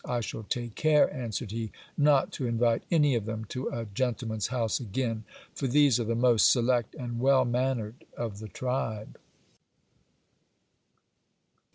I shall take care, answered he, not to invite any of them to a gentle man's house again ; for these are the most select and well mannered of the tribe.